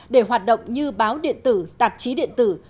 để hoạt động như báo điện tử tạp chí điện tử